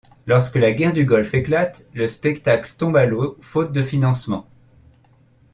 Lorsque la Guerre du Golfe éclate, le spectacle tombe à l'eau faute de financement.